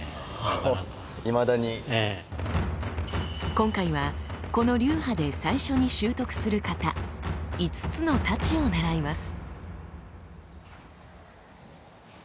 今回はこの流派で最初に習得する型五津之太刀を習います。